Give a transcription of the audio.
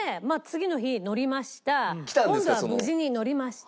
今度は無事に乗りました。